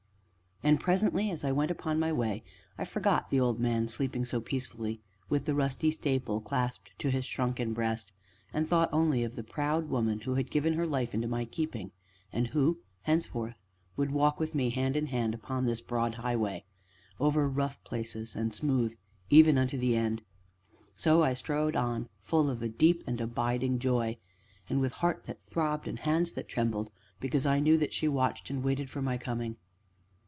And presently, as I went upon my way, I forgot the old man sleeping so peacefully with the rusty staple clasped to his shrunken breast, and thought only of the proud woman who had given her life into my keeping, and who, henceforth, would walk with me, hand in hand, upon this Broad Highway, over rough places, and smooth even unto the end. So I strode on, full of a deep and abiding joy, and with heart that throbbed and hands that trembled because I knew that she watched and waited for my coming.